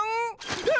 うわ！